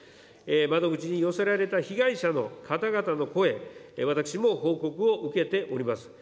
窓口に寄せられた被害者の方々の声、私も報告を受けております。